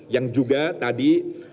yang juga tadi